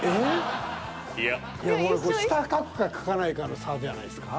下描くか描かないかの差じゃないですか？